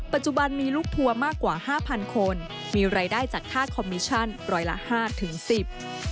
ปัจจุบันมีลูกทัวร์มากกว่าห้าพันคนมีรายได้จากค่าคอมมิชั่นร้อยละห้าถึงสิบ